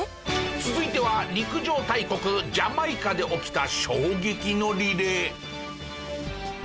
続いては陸上大国ジャマイカで起きた衝撃のリレー。